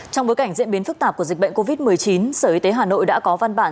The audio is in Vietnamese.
trong bối cảnh diễn biến phức tạp của dịch bệnh covid một mươi chín sở y tế hà nội đã có văn bản